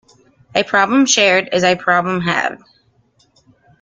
A problem shared is a problem halved.